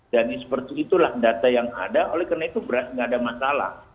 dan seperti itulah data yang ada oleh karena itu beras tidak ada masalah